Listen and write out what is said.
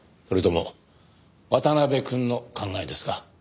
それとも渡辺くんの考えですか？